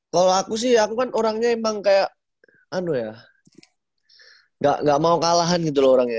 kalau aku sih aku kan orangnya emang kayak anu ya nggak mau kalahan gitu loh orangnya